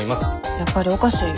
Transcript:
やっぱりおかしいよ。